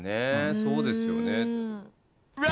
そうですよね。